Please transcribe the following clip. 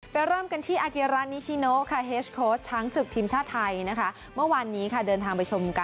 ไปเริ่มกันที่อาเกียระ